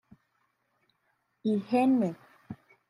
ihene